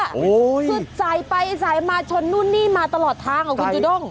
ซึ่งใส่ไปใส่มาชนนู่นนี่มาตลอดทางอ่ะคุณจุด้ง